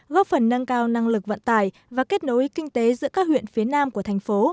góp phần nâng cao năng lực vận tải và kết nối kinh tế giữa các huyện phía nam của thành phố